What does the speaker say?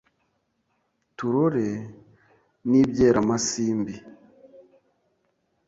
Turore n’ibyeramasimbi ...